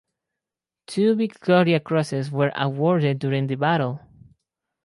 Two Victoria Crosses were awarded during the battle.